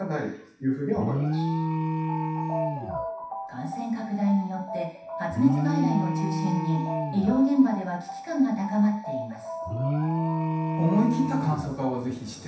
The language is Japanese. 感染拡大によって発熱外来を中心に医療現場では危機感が高まっています。